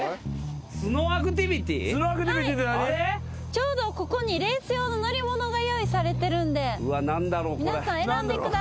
ちょうどここにレース用の乗り物が用意されてるんで皆さん選んでください。